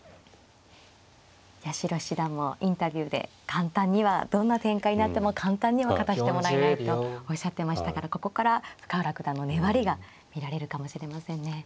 八代七段もインタビューで簡単にはどんな展開になっても簡単には勝たしてもらえないとおっしゃってましたからここから深浦九段の粘りが見られるかもしれませんね。